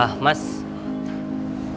nanti gue sembuh